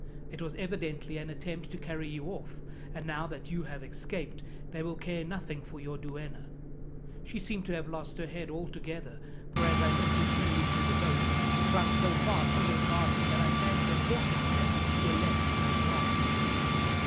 "It was evidently an attempt to carry you off, and now that you have escaped they will care nothing for your duenna. She seemed to have lost her head altogether, for as I lifted you into the boat she clung so fast to your garments that I fancy a portion of them were left in her grasp."